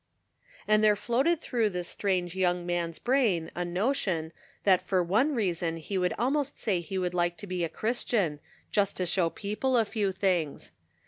And there floated through this strange young man's brain a notion that for one reason he could almost say he would like to be a Chris tian, just to show people a few things.